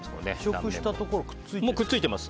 移植したところくっついてます？